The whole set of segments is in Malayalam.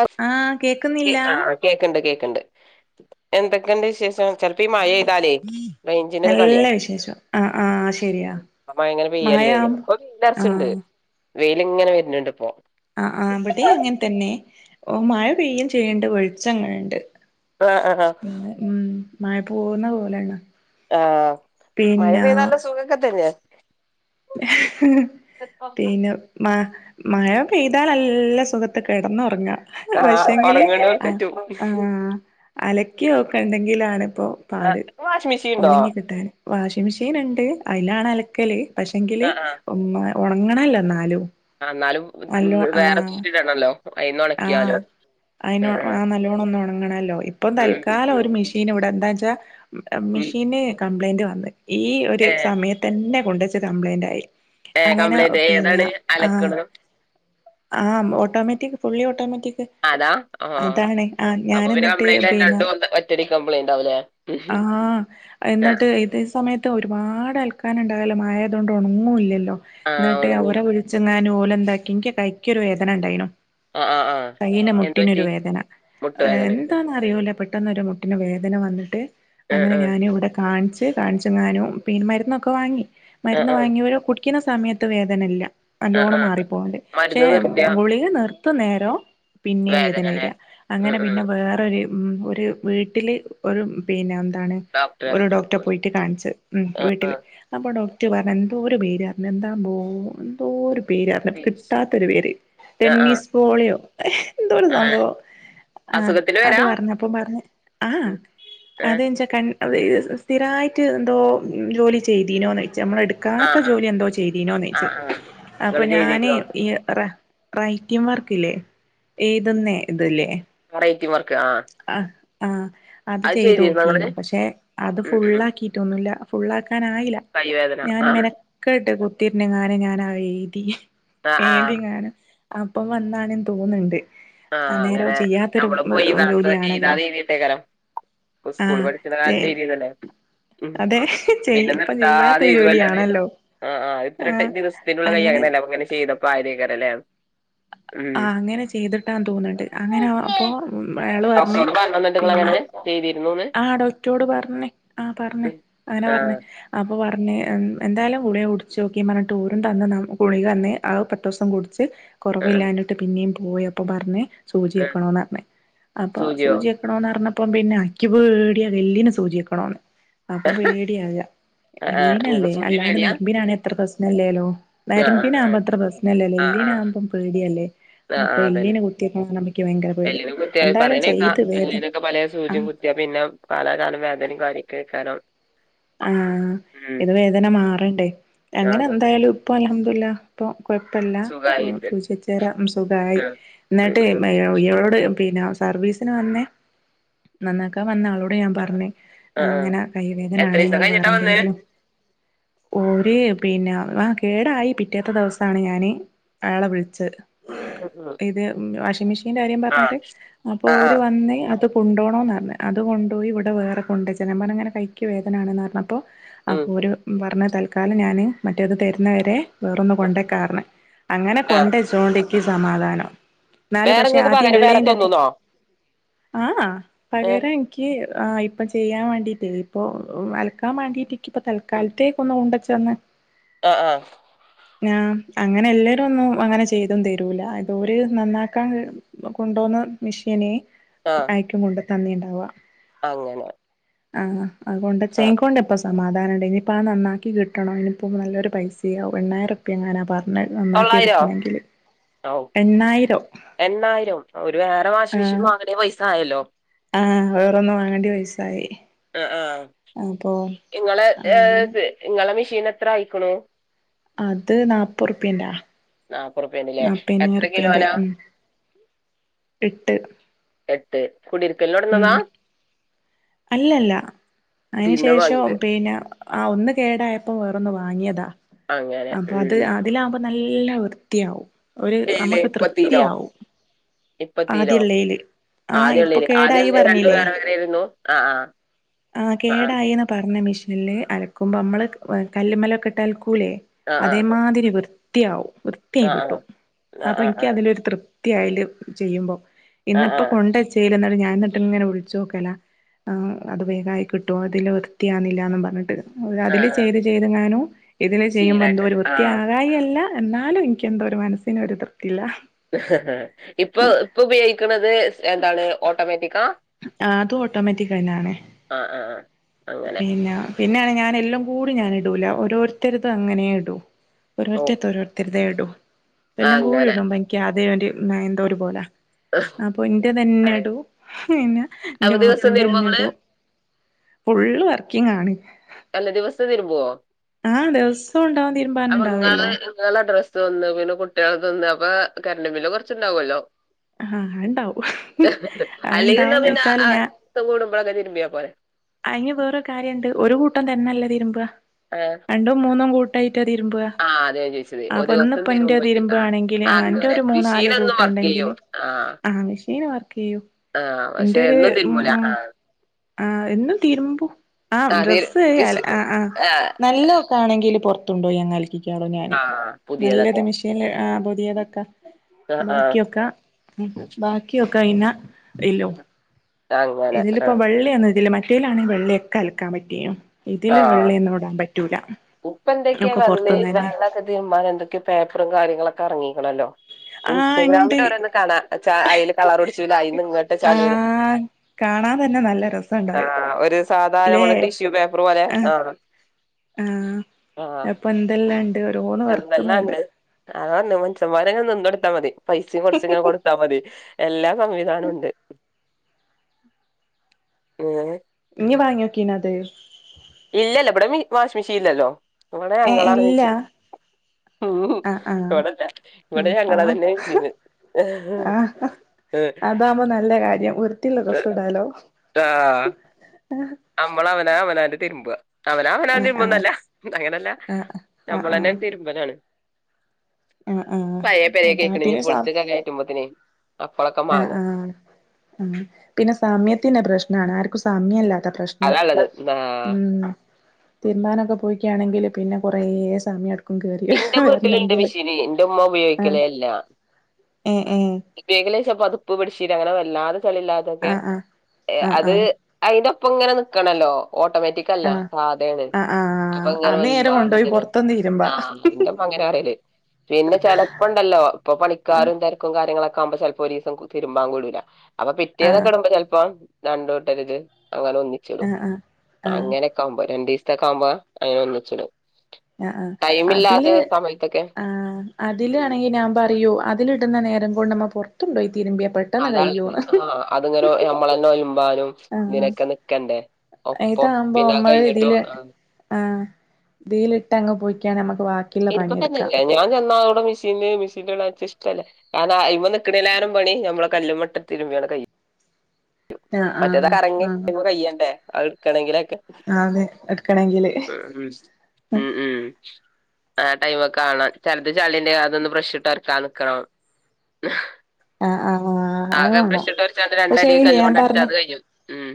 അ ആഹ് കേക്കുന്നില്ല ആഹ് കേക്ക്ണ്ട് കേക്ക്ണ്ട് എന്തൊക്കെണ്ട് വിശേഷം ചെൽപ്പോ ഈ മഴെയ്താലേ റൈഞ്ചിനൊരു കള്യ. നല്ല വിശേഷം ആഹ് ആഹ് ശരിയാ അ മഴങ്ങനെ പെയ്യല്ലേ മഴയാം പ്പൊ ലർച്ച്ണ്ട് ആഹ് വെയിലിങ്ങനെ വർന്ന് ണ്ട് പ്പൊ ആ ആ വിടി അങ്ങൻതന്നെ മഴ പെയ്യും ചെയ്യ്ണ്ട് വെളിച്ചങ്ങനെണ്ട് ആ അ ആഹ് മയ പോവുന്ന പോലെയാ ണ് ആഹ് മഴ പെയ്താ ല്ല സുഖൊക്കെ തന്നെയെ പിന്നെ മ മഴ പെ യ്താ ല ല്ല സുഖത്തി കെട്ന്നൊറങ്ങാം ആഹ് പക്ഷെങ്കില് ഒറങ്ങ്ണോൽക്ക് ആ പറ്റും അലക്കിയൊ ക്ക ഉണ്ടെങ്കിലാണ് ഒ പ്പാട് ഇങ്ങക്ക് വാഷിംഗ് മെഷീൻണ്ടോ ഉണങ്ങി കിട്ടാന് വാഷിങ്‌ മെഷീൻ ഉണ്ട് അയ്ലാണ് അലക്കല് പക്ഷെങ്കില് ആഹ് ഉ ഉണങ്ങണല്ലോ എന്നാലും ന്നാലും നല്ലോ വേറെ ആഹ് ചുറ്റിട്ടാണല്ലോ അയിന്നൊ ണക്കിയാലോ അയിനോട്‌ ആ നല്ലോണ്ണം ഒന്ന് ഉണങ്ങണല്ലോ ഇപ്പൊ ഉം തൽക്കാലം ഉം ഒരു മെഷീൻ ഇവിടെ എന്താെച്ചാ ഉം മെഷീന് കംപ്ലൈന്റ് വന്ന് ഈ ഒരു ഏഹ് സമയത്തെന്നെ കൊണ്ടുവച്ച് കംപ്ലൈന്റ് ആയി ഏഹ് അങ്ങനെ കംപ്ലൈന്റ് പിന്നെ ഏതാണ് ആഹ് അലക്ക്ണത് ആ ഓട്ടോമാറ്റിക് ഫുള്ളിഓട്ടോ അതാ ആഹ് അപ്പൊ ഞാൻ ഇവര് എന്നിട്ട് കംപ്ലൈന്റ്ന്ന രണ്ടും ഒറ്റടിക്ക് കംപ്ലൈന്റ് ആവുലേ ആ എന്നിട്ട് ഇതേ സമയ ഒരുപാട് ആൾക്കാര്ണ്ടായാല് മയെയ്തോണ്ട് ഒണങ്ങു ല്ലല്ലോ ആ ന്നട്ട് ഓണം പോയി അവരെ വിളിച്ചെങ്ങാനു ഒ ലെന്താക്കി ഇക്കികൈക്കൊരു വേദന ണ്ടായിനു ആ ആ ആ കയ്ന്റെ എന്ത് മുട്ടിനൊരു പറ്റി വേദന മുട്ടുവേദന എന്താന്നറിയൂല പെ ട്ടെന്നൊരു മുട്ടിന് വേദന വന്നിട്ട് ആ അങ്ങനെ ആ ഞാൻ വ്ടെ കാണിച്ച് ച്ച് കാണ്ച്ച്ങ്ങാനും പിൻ മരുന്നൊക്കെ വാങ്ങി ആ മരുന്ന് ആ വാങ്ങിയൊര് കുടിക്കുന്ന സമയത്ത് വേദനല്ല ആ നല്ലോണം ആ മാറിപ്പോകണ്ട് ക്ഷെ മരുന്ന് നിർത്തിയ ഗുളിക നിർത്ത് നേരോ പിന്നേം വേദന വേദനവര അല്ലേ ഉം അങ്ങനെ ഉം പിന്നെ വേറൊര് ഒരു വീട്ടിൽ ഒരു പിന്നെ ന്താണ് ഡോക്ടറെ ഒരു ആ ഡോക്റ്റെ പോയിട്ട് കാണ്ച്ച്. ഉം ആ വീട്ടില്. അപ്പോ ഡോ റ്റ് പർഞ്ഞെന്തോര് പേരർഞ് എന്താ ബോ ന്തോരു പേരർഞ് കിട്ടാത്തൊരു പേര് ആ ആ ടെന്നീസ് പോളിയോ ന്തോ രു ആ സംഭവം ആഹ് അസുഖത്തിന് അത് വരാ പറഞ്ഞപ്പൊ പറഞ് ആഹ് ഉം, ഏ, അതേച്ചാ കൺ ഒര് സ്ഥിരായിട്ട് ന്തോ ജോലി ചെയ്തീനോന്നൊ ആ നമ്മളെടുക്കാത്ത ആ ജോലി എന്തോ ആ ചെയ്തീനോന്നോയ്ച് ആ അപ്പൊ നിങ്ങൾ ഞാന് ചെയ്തിരുന്നോ ഈ റഹ് റൈറ്റിം വർക്ക്ല്ലേ ഏത് ന്നെ മൊറയ്റ്റിവർക്ക് ആഹ് ആ അത് ചെയ്തോ ക്കീനു പക്ഷെ അത് ഉം ഉം ഫുള്ളാക്കിട്ടൊന്നുല്ല ഫുള്ളാക്ക നായില കൈവേദന ആ ഞാന് മെനക്കെട്ട് കുത്തിര്ന്നങ്ങാനെ ഞാനഹ് എയ്തി ആ ആ ഏന്തിങ്ങാനും അപ്പം വന്നാണ് തോന്ന്ണ്ട് ആഹ് അന്നേരം അങ്ങനെ ചെയ്യാത്തൊരു നമ്മള്പ്പോ എയ്താത്ത ജോലിയാണല്ലോ എഴുതാതെ എഴുതിയിട്ടേക്കാരം ഉ സ്കൂൾ ആഹ് പഠിക്കണ ചെ കാലത്തെയിതിയതല്ലെ ഉം അതെ ചെയ് പിന്നെ ഇപ്പം നിർത്താതെ ചെയ്യാത്തൊരു എഴുതുവല്ലേ ത് ജോലിയാണല്ലോ ആ ആഹ് ഇത്രട്ട ദിവസത്തിനുള്ളത് അങ്ങനെ യെയ്യ്ണല്ലേ അപ്പൊ ങ്ങനെ ചെയ്തപ്പോ ആയതേക്കാര ലെ ആഹ് അങ്ങനെ ചെ ചെയ്തിട്ടാ തോന്ന്ണ്ട് അങ്ങനെ അപ്പൊ അയാള് പറഞ്ഞ് ഡോക്ടറോട് പറഞ്ഞോ ന്നിട്ട് പിന്നെ ഇങ്ങളങ്ങനെ ചെയ്തിരുന്നൂന്ന് ആ ഡോക്ടോട് പർഞ് ആഹ് പർഞ് ഉം അങ്ങനെ പർഞ് ആഹ് അപ്പൊ പർ പിന്നെ എന്തായാലും ഗുളിക കുടിച്ചോക്കി പറഞ്ഞിട്ട് ഓരും തന്ന് ഗുളിക ന്നെ അഹ് പത്തോസം കുട്ച്ച് ആഹ് കുറവില്ലാഞ്ഞിട്ട് പിന്നിം പോയി അപ്പോ പർഞ് സൂചി ആഹ് വെക്കണോന്നർഞ് അപ്പൊ സൂചിയോ സൂച്യക്കണോന്നർഞ്ഞപ്പം പിന്നെ ആക്കി ക്ക് പേട്യാ തെല്ലിന് സൂച്യക്കണോന്ന് അപ്പ പേട്യാവ ആഹ് ആഹ് ഇങ്ങക്ക് എല്ലിനല്ലേ സൂചി അല്ലാണ്ട് പേടിയാ നർമ്പിനാണേ ത്ര പ്രശ്നല്ലേല്ലോ നര് ആഹ് മ്പിനാവുമ്പോ ആഹ് ത്ര പ്രസ്നല്ലല്ലേ ആഹ് ആഹ് എല്ലിനാവുമ്പം പേട്യല്ലേ ആഹ് അപ്പ ആഹ് അതന്നെ എല്ലിന് കുത്ത്യക്കണം ർ ന്ന് ഭയങ്കര പേടി എല്ലിനും കുത്തിയാ എന്തായാലും പറയ്ണേക്കാ ചെയ്തു വേദന എല്ലിനൊക്കെ പലേ സൂചിയും ആഹ് കുത്തിയാ പിന്നെ പല കാലം വേദനേം കാര്യക്കേക്കാരം ആഹ് ഇത് വേദന മാറണ്ടേ ആഹ് അങ്ങനെ അതന്നെ എന്തായാലും പ്പൊ അൽഹംദുലില്ല പ്പൊ കൊഴ്പ്പല്ല സുഖായിണ്ട് സൂച്യെച്ചേരം സുഖായി ആഹ് ഉം ന്നട്ട് ഉം ഇയാളോട് പിന്നെ സർവീസ് ന് വന്നെ നന്നാക്കാൻ വന്ന ആളോട് ഞാൻ പർഞ് ആഹ് ആഹ് ങ്ങനെ കൈ വേ നാണ് എത്രീസം ങ്ങള് വേറെ കഴിഞ്ഞിട്ടാ വന്നേ ന്തെങ്കിലും ഓര് പിന്നെ ആ കേടായി പിറ്റേത്ത ദിവസാണ് ഞാന് അയാളെ വിൾച് ഉം ഉം ഇത് വാഷിംഗ് മിഷീന്റെ കാര്യം ആഹ് പർഞ്ഞിട്ട് അപ്പൊ ആഹ് ഓര് ആഹ് വന്ന് അത് കൊണ്ടോണോ ന്നർഞ് അത് കൊണ്ടോയി വ് ടെ വേറെ കൊണ്ടേച്ച്ണ് ഞാമ്പർ നമ്പൻ അങ്ങനെ കൈക്ക് വേദന ആണെന്ന് പറഞ്ഞ അപ്പോ ഉം അപ്പോര് പർഞ്ഞെ തൽക്കാലം ഞാന് മറ്റേത് തര് ന്നവെ രെ വേറൊന്ന് കൊണ്ടേക്കാർഞ് അങ്ങനെ ആഹ് കൊണ്ടേച്ചോണ്ടിക്ക് സമാധാനം ന്നാല് പക്ഷെ വേറെങ്ങക്ക് ആദ്യ പകരം വേറെ ഇള്ളേന്റെ അത്ര തന്നൂന്നോ ആ ഏഹ് പകരം ൻക്ക് ആ ഇപ്പ ചെയ്യാൻ വേണ്ടീട്ടെ ഇപ്പോ അലക്കാൻ വേണ്ടീട്ട് ക്ക് പ്പോ തൽക്കാലത്തേക്ക് ഒന്ന് കൊണ്ടെച്ച തെന്നെ. ആ, ആ. ആഹ്, അങ്ങനെ, എല്ലേരും, ഒന്നും, അങ്ങനെ, ചെയ്തും, തരൂല, ഇതോര്, നന്നാക്കാൻ, കൊണ്ടോന്ന ന്ന മിഷ്യനെ ആഹ് അയക്കും കൊണ്ട് തന്നിണ്ടാവ അങ്ങനെ ആഹ് അഹ്കൊണ്ട് ആഹ് ചേകൊണ്ട് പ്പ സമാധാനംണ്ട്, ഇനിപ്പ, ആ, നന്നാക്കി, കിട്ടണോ ങ്കിപ്പോ, നല്ലൊരുപൈസയാവും, എണ്ണായിരുർപ്യങ്ങാനാ, പർ ണെ, നന്നാക്കി, തൊള്ളായിരോ എടുക്കണെങ്കില്. ഔ എണ്ണായിരം എണ്ണായിരോ ഒരു വേറെ വാഷി മെഷീൻ വാങ്ങണ പൈസായല്ലോ ആ വേറൊന്നും വാങ്ങേണ്ടിപൈസാ യായി ആ.. നിങ്ങളെ, ഏ... അങ്ങനെ നിങ്ങടെ മെഷീനെത്ര ആയിക്കാണും അതുനാപ്പതുർപ്യന്റെയാ നാപ്പറുപ്യേണ്ല്ലേ എത്ര നാപ്പേയിർപ്പ്യന്റെ കിലോനാ എട്ട് എട്ട് ഉം.. കുടിരിക്കലിനൊടന്നതാ അല്ലല്ല പിന്നെ അതിനുശേഷവും വാങ്ങിയത് പിന്നെ ആ ഒന്ന്കേടായപ്പോ വേറൊന്നുവാങ്ങിയതാ. അങ്ങനെ ഉം അപ്പൊയത് ഉം അതിലാകുമ്പോ നല്ല വൃത്തിയാവും ഒരു, ഏയില് ഇപ്പത്തീലോ നമുക്കുതൃപ്തിയാവും. ഇപ്പത്തീലോ ആദ്യഉള്ളേല് ആ ഇപ്പൊ ആദ്യള്ളേല് ആദ്യള്ളേ രണ്ടും കേടായിപറഞ്ഞില്ലേ, വേറെ വേറെയിരുന്നു ആഹ് ആ.. ആഹ് ആഹ് കേടായീന്ന് പറഞ്ഞ മെഷീന അലക്കുമ്പോ നമ്മളുകല്ലുമേലെയൊക്കെയിട്ടലക്കൂലേ, ആഹ് ആഹ് ആഹ് അതേമാതിരി വൃ.. വൃത്തിയാവും, വൃത്തിയായി ആഹ് ആഹ് കിട്ടും. ആഹ് ആഹ് അപ്പമെനിക്കതിലൊരു തൃപ് വൃത്തിയായില്ലെ ചെയ്യുമ്പോ, ആഹ് ഇന്നിപ്പോ ആഹ് കൊണ്ടെച്ചേരുന്നെ എന്നിട്ടിങ്ങനെ വിളിച്ചു നോക്കല്ല, അതു വേഗമായികിട്ടുവോ അതിലുവൃത്തിയാ കില്ലെന്നും പറഞ്ഞിട്ട് ആഹ് ആഹ് അതിലുചെയ്തു ചെയ്തെങ്ങാനംഇതിലു ശീലായിട്ട് ചെയ്യുമ്പോളെന്തോരു ആഹ് വൃത്തിയാകായികയല്ല എന്നാലുംമെനിക്കെന്തോരു മനസ്സിനൊരു തൃപ്ത ഇപ്പൊ, ഇപ്പൊ ഉപയോഗിക്കണതെ ന്താണ് ഓട്ടോമാറ്റിക്കാ.. ആ, അതുഓട്ടോമാറ്റിക ന്നെണ് ആഹ് ആഹ് ആഹ് അങ്ങനെ പിന്ന, പിന്നെയാണ് ഞാനെല്ലാം കൂടി ഞാൻ ഇടൂല. ഓരോരുത്തർക്കു അങ്ങനെ ഇടൂ. ഓ ഒരോരുത്തരുടെയോരോരുത്തരുടെയിടും. ആ എല്ലാം അങ്ങനെ കൂടിഇടുമ്പനി ക്കാധി അതേടി എന്തോയൊരു പോലാ അപ്പൊഎന്റെ അതെ. തന്നെയിടും. പിന്നെ എന്റെ അപ്പൊ ദിവസം മാപ്പിളേടെ തിരുമ്പോ ഇങ്ങള് തന്നെയടും. ഫുള്ളുവർക്കിങ്ങാണ് അല്ല, ദിവസവുംതിരുമ്പു വോ ആ.. ദിവസവുമുണ്ടാവും. തീരുമ്പാനുണ്ടാവല്ലോ അതൊന്ന്, പിന്നെ കുട്ടികൾക്കൊന്ന് അപ്പൊ കറന്റുബില്ല്കുറച്ചുണ്ടാവുമല്ലോ ആഹ് അത്ണ്ടാവും അല്ലെങ്കിപിന്നെ അത്ണ്ടാവുംന്ന് വെച്ചാല് രണ്ടു ദിവസം കൂടുമ്പോളൊക്കെ തിരുമ്പിയാപോരെ അതിന് വേറൊരു കാര്യമുണ്ട്. ഒരു കൂട്ടം തന്നെയല്ലാതിരുമ്പ. ആഹ് രണ്ടുംമൂന്നും കൂട്ടം കൂട്ടാ തീരുമ്പ ആഹ് അതാ ഞാൻ ചോദിച്ചത് ഒരു ആപ്പൊ ദിവസം ഇന്നിപ്പന്റെ തിരുമ്പോ ആഹ് തിരുമ്പുകയാണെങ്കില് അങ്ങനെ എന്റെയൊരു മൂന്നാലു മെഷീനൊന്നും വർക്ക് ചെയ്യോ കൂട്ടണ്ടെങ്കില് ആഹ് ആ, മെഷീനുവർക്കുചെയ്യൂ. ആഹ് പക്ഷെ എന്റെയൊര് എന്നും ഉം.. തിരുമ്പൂല ഉം ആഹ് ആ, എന്നുംതിരുമ്പും ആ... ആഹ് തിര് ഡ്രസ്സ് അല.. ആ.. വിശിക്കും ആ.. ആഹ് നല്ലൊക്കെ ആണെങ്കിലും പുറത്തുകൊണ്ടുപോയങ്ങ് അലക്കിക്കാണോ ഞാന് ആഹ് പുതിയതൊക്കെ നല്ലതുമെഷീനില് പുതിയതക്കെ ആഹ് ആഹ് ബാക്കിയൊക്കെ, ബാക്കിയൊക്കെ ഇന അയിലും അങ്ങനെ ഇതിലിപ്പോ ആഹ് വെള്ളയൊന്നുമിതില് മറ്റേതിലാണെ വെള്ളയൊക്കെ അലക്കാൻ പറ്റിയേനെ ആഹ് ഇതിലുവെള്ളയൊന്നു മിടാൻ പറ്റും ഇപ്പ എന്തൊക്കെയാ വെള്ള വെള്ളയൊക്കെ തീരുമ്പാൻ എന്തൊക്കെയോ പേപ്പറു കാര്യങ്ങളുമൊക്കെ ഇറങ്ങിയിരിക്കണല്ലോ ആഹ് ഇണ്ട് ഇൻസ്റ്റഗ്രാമിൽ ഓരോന്നു കാണാം. അതില് കളറു പിടിച്ചു. അതിന്നിങ്ങോട്ട് ചാടി വരും. ആഹ് കാണാൻ തന്നെ നല്ല രസമുണ്ടായി സാധാരണപോലെ ടിഷ്യൂ പേപ്പറുപോലെ, ആ... ആ.. അപ്പൊഎന്തെല്ലാ ണ്ട്. ഓരോന്നു വർക്കു ന്നുണ്ട് ആ, മനസമ്മാരങ് നിന്നോട്ത്താ മതി. പൈസയും കൊറച്ചെങ്ങാ കൊടുത്താമതി. എല്ലാ സംവിധാനുണ്ട്. എങ്ങനെ ഇനി വാങ്ങീനോകീണത് ഇല്ലല്ല, ഇവിടെ വാഷിംഗ് മെഷീനില്ലല്ലോ ഇവിടെ ഏ ഞങ്ങളാണു ഇല്ല മെഷീൻ. ഉം.. ആഹ് ആഹ് ഇവിടില്ല. ഇവിടെ ആഹ് ഞങ്ങളുതന്നെയാ മെഷീന് അതാകുമ്പോ നല്ല കാര്യം വൃത്തിയുള്ള ഡ്രസ്സിടാലോ നമ്മളവനാ അവനാന്റെ തിരുമ്പുക അവനാ, അവനു ആഹ് ആഹ് തിരുമ്പോന്നല്ല അങ്ങനെയല്ല, ആഹ് നമ്മളു തന്നെ തിരുമ്പാണ് ആഹ ആഹ അതാ കേക്കണ് ഇനി പിന്നെ സാ പൊളിച്ചൊക്കെ കയറ്റുമ്പോത്തിനെ അപ്പളൊക്കെ ആ മാങ്ങ ആ പിന്നെ സമയത്തിന്റെ പ്രശ്നാണ് ആർക്കും സമയ സമ്യല്ലാത്ത പ്രശ്നാ അതാള്ളത് ആ ഉം തീരുമ്പാനൊക്കെ പോയിക്കയാണെങ്കില് പിന്നെ കൊറ സമയം എടുക്കും കേയറി വരണെങ്കില് എന്റെ ഉമ്മ ആഹ് ഉപയോഗിക്കലെ ഇല്ല. ഏ ഏ ഉപയോഗിക്കലേച്ചാ പതുപ്പ് ബെഡ് ഷീറ്റൊ അങ്ങനെ വല്ലാതെ ചെളി ല്ലാതൊക്കെ ആഹ് ആഹ് ആഹ് അത് ആഹ് അതിന്റെ ഒപ്പം ഇങ്ങനെ നിക്കണല്ലോ ഓട്ടോമാറ്റിക് അല്ല ആഹ് സാധയാണ് ആഹ് അപ്പൊ ആഹ് ആ ഇങ്ങനെ നേരെ ഒൽമ്പാനും കൊണ്ടോയി ഇതിനൊകെ പൊറത്തൊന്ന് ഇരുമ്പാ ആഹ ഇന്റെമ്മ അങ്ങനെറല് പിന്നെ ചെലപ്പണ്ടല്ലോ ഇപ്പൊ ആഹ് പണിക്കാരും തിരക്കും കാര്യങ്ങളൊക്കെ ക്കചെലപ്പോ ഒരു ദിവസം തിരുമ്പാ കൂടൂല അപ്പൊ ആഹ് പിറ്റേന്നെക്കെടുമ്പോ ചെൽപ്പോ രണ്ടോട്ടരുത് അങ്ങനെ ഒന്നിച്ചിടും ആഹ് ആഹ് ആഹ് അങ്ങനെക്കെ ആവുമ്പോ രണ്ടു ദിവസത്തൊക്കെ ആവുമ്പോ അങ്ങനെ ഒന്നിച്ചിടും ആ ആ അതില് ടൈമില്ലാത്ത സമയത്തൊക്കെ ആ ഉം അതിലാണെങ്കി ഞാൻ പറയൂ അത് അതിലിടുന്ന നേരം കൊണ്ടമ്മ പുറത്തുണ്ടോയി ആ അതിങ്ങനെ നമ്മളന്നെ ഒലമ്പാനും ഇങ്ങനെയൊക്കെ നിക്കണ്ടേ. ഒപ്പം ഇതാകുമ്പോ പിന്നെ അത് കഴിഞ്ഞിട്ടും നമ്മളിതില് ആഹ് ആ ഇതിലിട്ടങ്ങ് പോയിക്കാനമ്മക് ഇനിക്കൊക്കെന്നല്ലേ ഞാൻ ചെന്നാ പ്പം മെഷീന് മെഷീൻെള്ള ഞ്ജ് ഇഷ്ടല്ല കാരണം അയിമ്മെ നിക്കണെലാനും പണി നമ്മളെ കല്ലുമേട്ടു തിരുമ്പിയാൽ കൈയ്യും ആഹ് മറ്റേതാ കറങ്ങി ആഹ് കയ്യണ്ടേ അത് എടുക്കണണെങ്കിലാ ആഹ് അതെ എടുക്കണെങ്കില് ഉ ഉ ഉം ആ ടൈമാകാണാം ചിലത് ചളീന്റെ അതൊന്ന് ബ്രഷിട്ട് ഒരക്കാൻ നിക്കണം. ആഹ് ആഹ് അത് ആകെ വേണം ബ്രഷിട്ടൊരച്ച് രണ്ടടി പക്ഷെങ്കില് ഞാൻ കല്ലുമ്മേഅടിച്ചാ പറഞ്ഞ അതുകഴിഞ്ഞു ഉം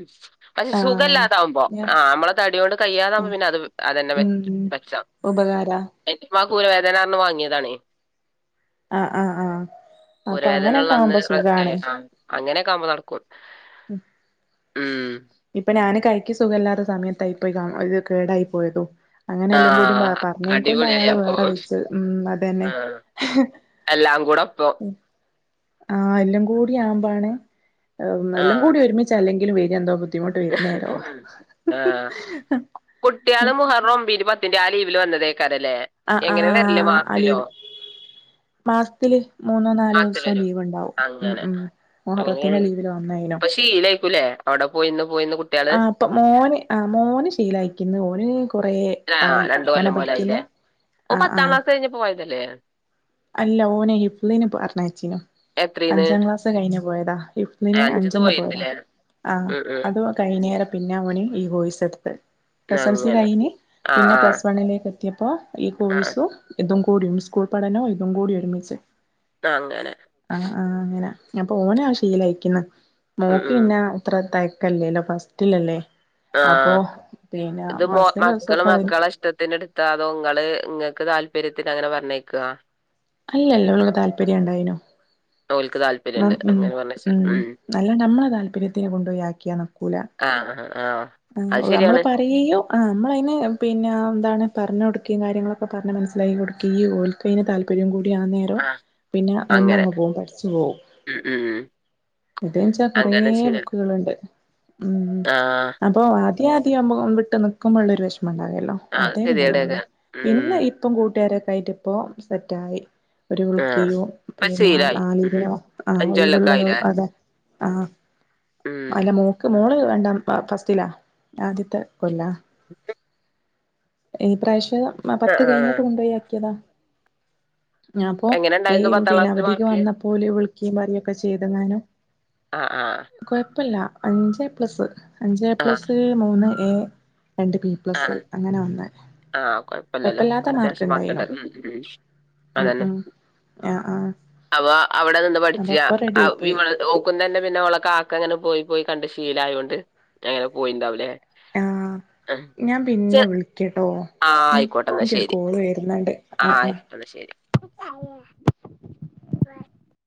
പക്ഷെ ആഹ് സുഖവില്ലാതാവുമ്പോ ഞാ ആ നമ്മളെതടികൊണ്ട് ഉം കയ്യാതാകുമ്പോ പിന്നെ അത് അതുതന്നെ വെ വച്ചാം അരാ ഊരവേദനകാരണം വാങ്ങിയതാണേ ആ ആ ആ അപ്പൊ ഊരവേദന അങ്ങനെയൊക്കെ ഉള്ള അന്ന് ആവുമ്പോ സുഖാ ആ അങ്ങനെയൊക്കെ ആവുമ്പോ നടക്കും ഉം ഇപ്പൊ ഞാന് കൈക്ക് സുഖമില്ലാത്ത സമയത്താ പോയി ഇത് കേടായി പോയതും അങ്ങനെ എല്ലാംകൂടിയും പ ആഹ് പറഞ്ഞേകൊണ്ട് അടിപൊളിയായി അയാള് അപ്പൊ വേറെ വെച്ചു ഉം അതന്നെ ആഹ് എല്ലാം കൂടെ ഒപ്പം ആ എല്ലാം കൂടി ആവുമ്പാണ് എല്ലാം കൂടി ഒരുമിച്ചാ അല്ലെങ്കിലും വരിയാ എന്തോ ബു ആ കുട്ടിയള് മുഹർറം ഒബിന് പ ത്തിന്റെ ആ ലീവില് വന്നതേക്കാരല്ലേ ആഹ് എങ്ങനെ വരല് ആഹ് ആ മാസത്തിലോ ലീവ് മാസത്തില് മൂന്നോ നാലോ മാസത്തില് ദിവസം വരും ലീവുണ്ടാവും ഉം ഉം അങ്ങനെ മുഹറത്തിന്റെ ലീവില് വന്നേനു പ്പൊ ശീലായിക്കൂലേ അവിടെ പോയീന്ന് ആ അപ്പൊ മോന് ആ മോന് ശീലം അയക്കുന്നു ഓന് കുറേ ആഹ് ആയി രണ്ട് അങ്ങനെ കൊല്ലം പോലെ ആയില്ലേ പഠിക്കുന്നു ഓൻ ആ ആ പത്താം ക്ലാസ് കഴിഞ്ഞപ്പോ പോയതല്ലേ അല്ല ഓനെ ഹിഫ്ളിന് പറന്നയച്ചീനു എത്രീന്ന് അഞ്ചാം ക്ലാസ് കഴിഞ്ഞുപോയതാ ഹിഫ്ളിന് അഞ്ച്ന്ന് അഞ്ചെന്ന് പോയതാ പോയിണ്ട്ല്ലേ ആ ഉം ഉം അത് കൈഞ്ഞേരം പിന്നെവന് ഈ കോയിസ്ടുത്തത് എസ് എൽ സി അങ്ങനെ കയിഞ്ഞ് ആഹ് പിന്നെ ആഹ് പ്ലസ് വണ്ണിലേക്ക് എ അപ്പൊ ഈ ആഹ് കോഴ്സും ഇതുംകൂടി സ്കൂൾപഠനോം ഇതുംകൂടി ഒരുമിച്ച് അങ്ങനെ ആ ആ അങ്ങനെ അപ്പൊ ഓന് അത് ശീലായിക്കുന്നു ഉം ഉം മോക്കിന്നാ അത്ര തെക്കല്ലല്ലോ ഫസ്റ്റിലല്ലേ അപ്പൊ ആഹ് പിന്നെ ഇത് മോ ഫസ്റ്റിലെ മക്കള് ദിവസൊക്കെ അവര് മക്കളെ ഇഷ്ടത്തിനെടുത്താ അതോ ഇങ്ങള് ഇങ്ങക്ക് താൽ താല്പര്യത്തിന് അങ്ങനെ പറഞ്ഞേക്യാ അല്ലല്ല അവള് താല്പര്യം ഉണ്ടായീനു തോൽക്ക് താൽ മം ഉം ഉം നല്ല നമ്മളെ താല്പര്യത്തിന് കൊണ്ടുപൊയി ആക്കിയാ നിക്കൂല. ആഹ് ആഹ് ആഹ് ആ അത് നമ്മള് ശരിയാണ് പറയിയോ ആ നമ്മളയിന് പിന്നെ എന്താണ് പറഞ്ഞു കൊടുക്കുകയും കാര്യങ്ങളൊക്കെ പറഞ്ഞു മനസ്സിലായി കൊടുക്കീയും ഓൽക്കൈന് താല്പര്യം കൂടി രിയാൻനേരേം ആഹ് പിന്നെ അങ്ങനെ നിന്നങ്ങുപോവും പഠിച്ചുപോവും ഉം ഉം ഉം ഇതെന്നുച്ചാ അങ്ങനെ ശരിയാ കുറേബുക്കുകൾ ഉണ്ട് ഉം ആഹ് അപ്പോ അത് ആദ്യമാദ്യമാകുമ്പോ വിട്ടുനിക്കുമ്പോള്ള ഒരുവിശം നന്നായല്ലോ അത് അതേണ്ടായിരുന്നുള്ളു ഗതികേടേക്കാരം ഉം പിന്നെ ഇപ്പം കൂട്ടുകാരൊക്കെ ആയിട്ട് ഇപ്പോ സെ റ്റായി ഒരു ആഹ് ഉൽക്കിയൊ ഇപ്പത് പിന്നെ ശീലായി ഉം ആലിമിനൊ ആ അഞ്ചൊല്ലൊക്കെ ഒഴിവുള്ളത് ആയില്ലേ അതെ ആ ഉം അല്ല മോക്ക് മോള് വേണ്ട ഫസ്റ്റിലാ ആദ്യത്തെ കൊല്ലാ ഈ പ്രാവശ്യം ആഹ് പത്തുകഴിഞ്ഞിട്ട് ആഹ് കൊണ്ടുപോയി ആക്കിയതാ ഞാപ്പൊ ഈ എങ്ങനെണ്ടായിരുന്നു പത്താം പിന്നെ ക്ലാസ്സില് അവധിക്ക് മാർക്ക് വന്നപ്പൊല് വിളിക്കുയേം പറയേം ചെയ്തങ്ങാനോ ആ ആ ഇപ്പല്ല അഞ്ച് എ പ്ലസ് അഞ്ച് എ പ്ലസ് മൂന്ന് എ രണ്ട് ബി ആ പ്ലസ് അങ്ങനെ വന്നെ ആ കൊഴപ്പില്ലല്ലോ കൊഴപ്പല്ലാത്ത മാർക്ക് അത്യാവശ്യം ഇണ്ടായിനു മാർക്കണ്ടല്ലൊ ഉം അതന്നെ ഉം ആഹ് ആഹ് അവ അവിടെനിന്ന് അപ്പൊ പഠിച്ചാ ഇപ്പൊ റെഡി ആയി പോയി അന്നുതന്നെ പിന്നെ ഓളകാക്ക ഇങ്ങനെ പോയി പോയി കണ്ട് ശീലായോണ്ട് അങ്ങനെപോയിണ്ടാവൂല്ലേ ആഹ് ആ ഞാൻ പിന്നെ ചെ- വിളിക്ക ആ ആയിക്കോട്ടെന്ന് ശരി വരുന്നുണ്ട് ആ ആഹ് ആഹ് ആയിക്കോട്ടന്ന് ശരി. വാ